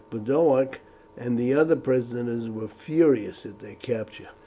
Boduoc and the other prisoners were furious at their capture.